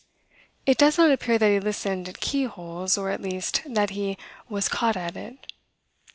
It does not appear that he listened at keyholes, or, at least, that he "was caught at it".